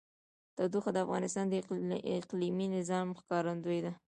تودوخه د افغانستان د اقلیمي نظام ښکارندوی ده.